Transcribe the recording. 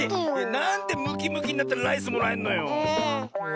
なんでムキムキになったらライスもらえんのよ。